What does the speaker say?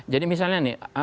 jadi misalnya nih